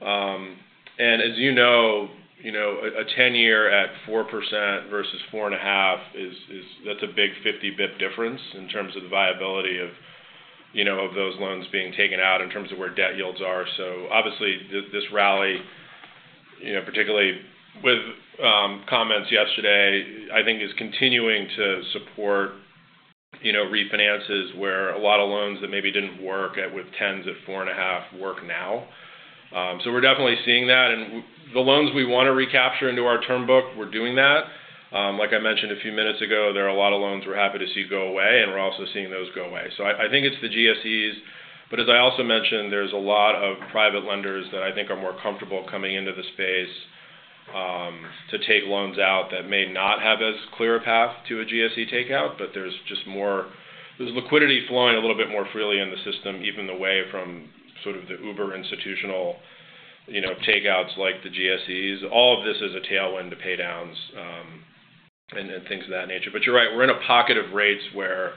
And as you know, a ten-year at 4% versus 4.5, that's a big 50 basis point difference in terms of the viability of those loans being taken out in terms of where debt yields are. So obviously, this rally, particularly with comments yesterday, I think is continuing to support refinances where a lot of loans that maybe didn't work with 10s at 4.5 work now. So we're definitely seeing that. And the loans we want to recapture into our term book, we're doing that. Like I mentioned a few minutes ago, there are a lot of loans we're happy to see go away, and we're also seeing those go away. I think it's the GSEs. But as I also mentioned, there's a lot of private lenders that I think are more comfortable coming into the space to take loans out that may not have as clear a path to a GSE takeout, but there's just more liquidity flowing a little bit more freely in the system, even away from sort of the uber institutional takeouts like the GSEs. All of this is a tailwind to paydowns and things of that nature. But you're right, we're in a pocket of rates where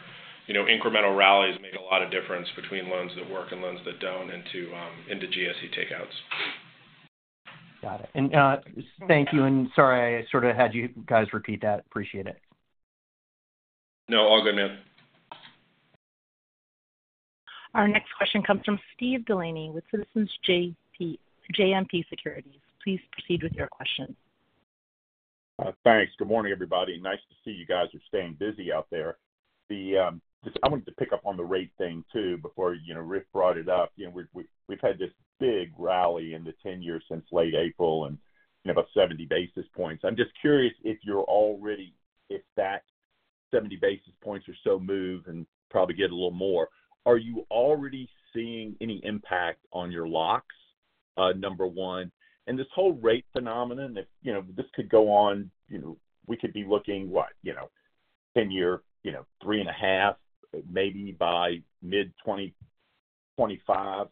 incremental rallies make a lot of difference between loans thmarks and loans that don't into GSE takeouts. Got it. Thank you. Sorry, I sort of had you guys repeat that. Appreciate it. No, all good, man. Our next question comes from Steven Delaney with Citizens JMP Securities. Please proceed with your question. Thanks. Good morning, everybody. Nice to see you guys are staying busy out there. I wanted to pick up on the rate thing too before Rick brought it up. We've had this big rally in the ten-year since late April and about 70 basis points. I'm just curious if you're already, if that 70 basis points or so move and probably get a little more, are you already seeing any impact on your locks, number one? And this whole rate phenomenon, if this could go on, we could be looking, what, ten-year 3.5, maybe by mid-2025.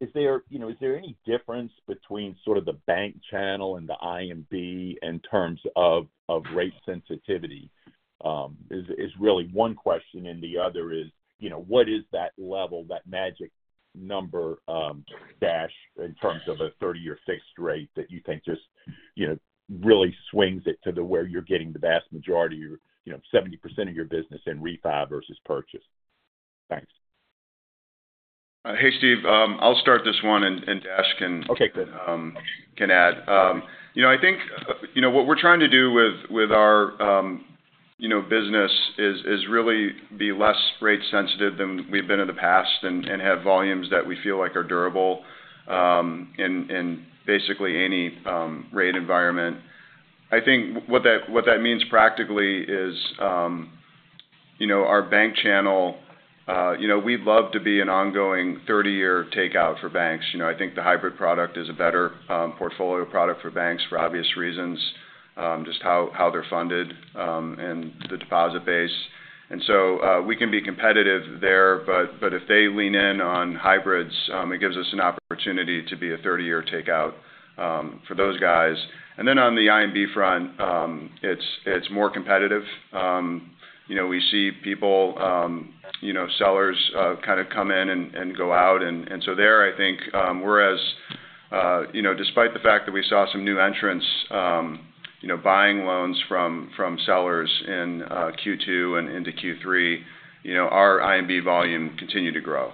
Is there any difference between sort of the bank channel and the IMB in terms of rate sensitivity? Is really one question, and the other is, what is that level, that magic number, Dash, in terms of a 30-year fixed rate that you think just really swings it to where you're getting the vast majority, 70% of your business in refi versus purchase? Thanks. Hey, Steve, I'll start this one, and Dash can add. I think what we're trying to do with our business is really be less rate sensitive than we've been in the past and have volumes that we feel like are durable in basically any rate environment. I think what that means practically is our bank channel. We'd love to be an ongoing 30-year takeout for banks. I think the hybrid product is a better portfolio product for banks for obvious reasons, just how they're funded and the deposit base. So we can be competitive there, but if they lean in on hybrids, it gives us an opportunity to be a 30-year takeout for those guys. Then on the IMB front, it's more competitive. We see people, sellers kind of come in and go out. And so there, I think, whereas despite the fact that we saw some new entrants buying loans from sellers in Q2 and into Q3, our IMB volume continued to grow.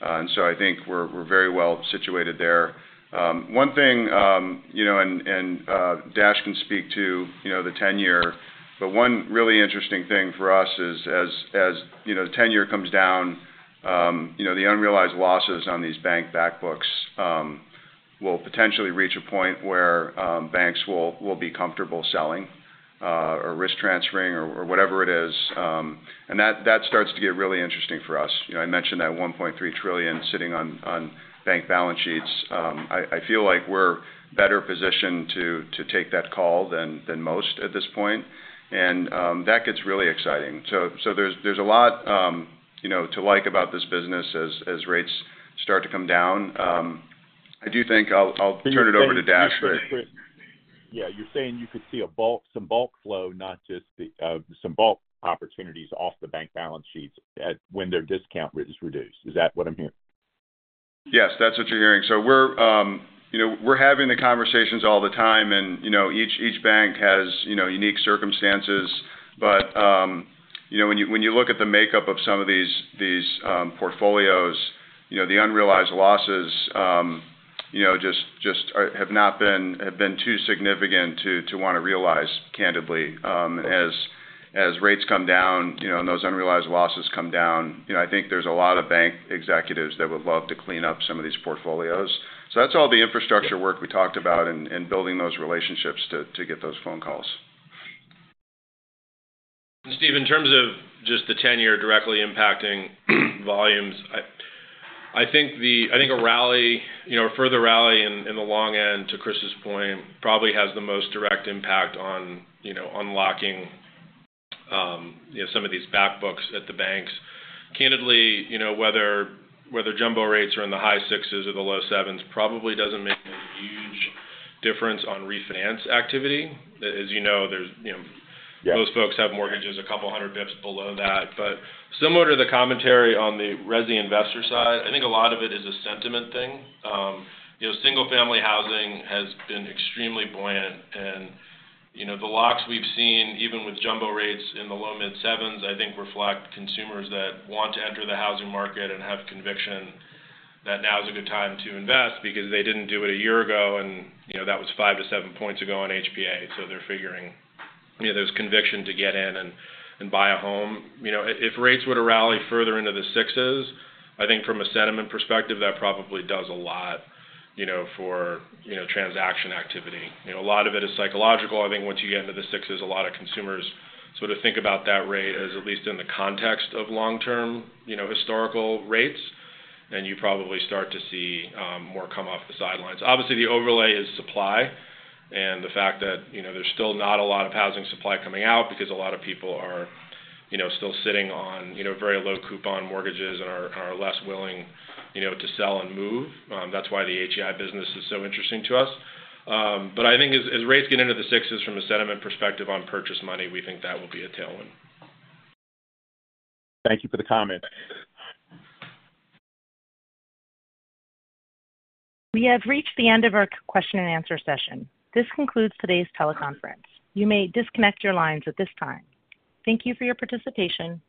And so I think we're very well situated there. One thing, and Dash can speak to the 10-year, but one really interesting thing for us is as the 10-year comes down, the unrealized losses on these bank backbooks will potentially reach a point where banks will be comfortable selling or risk transferring or whatever it is. And that starts to get really interesting for us. I mentioned that $1.3 trillion sitting on bank balance sheets. I feel like we're better positioned to take that call than most at this point. And that gets really exciting. So there's a lot to like about this business as rates start to come down. I do think I'll turn it over to Dash. Yeah. You're saying you could see some bulk flow, not just some bulk opportunities off the bank balance sheets when their discount is reduced. Is that what I'm hearing? Yes, that's what you're hearing. So we're having the conversations all the time, and each bank has unique circumstances. But when you look at the makeup of some of these portfolios, the unrealized losses just have not been too significant to want to realize, candidly. As rates come down and those unrealized losses come down, I think there's a lot of bank executives that would love to clean up some of these portfolios. So that's all the infrastructure work we talked about and building those relationships to get those phone calls. And Steve, in terms of just the tenor directly impacting volumes, I think a rally, a further rally in the long end, to Chris's point, probably has the most direct impact on unlocking some of these backbooks at the banks. Candidly, whether jumbo rates are in the high 6s or the low 7s probably doesn't make a huge difference on refinance activity. As you know, those folks have mortgages 200 bps below that. But similar to the commentary on the Resi investor side, I think a lot of it is a sentiment thing. Single-family housing has been extremely buoyant. And the locks we've seen, even with jumbo rates in the low mid-7s, I think reflect consumers that want to enter the housing market and have conviction that now is a good time to invest because they didn't do it a year ago, and that was 5-7 points ago on HPA. So they're figuring there's conviction to get in and buy a home. If rates were to rally further into the 6s, I think from a sentiment perspective, that probably does a lot for transaction activity. A lot of it is psychological. I think once you get into the sixes, a lot of consumers sort of think about that rate as at least in the context of long-term historical rates, and you probably start to see more come off the sidelines. Obviously, the overlay is supply and the fact that there's still not a lot of housing supply coming out because a lot of people are still sitting on very low coupon mortgages and are less willing to sell and move. That's why the HEI business is so interesting to us. But I think as rates get into the sixes from a sentiment perspective on purchase money, we think that will be a tailwind. Thank you for the comment. We have reached the end of our question and answer session. This concludes today's teleconference. You may disconnect your lines at this time. Thank you for your participation.